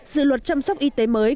dự luật chăm sóc y tế mới